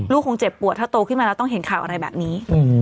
คงเจ็บปวดถ้าโตขึ้นมาแล้วต้องเห็นข่าวอะไรแบบนี้